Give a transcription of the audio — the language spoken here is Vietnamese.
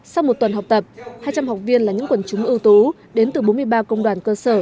sau một tuần học tập hai trăm linh học viên là những quần chúng ưu tú đến từ bốn mươi ba công đoàn cơ sở